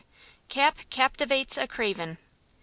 CAP CAPTIVATES A CRAVEN.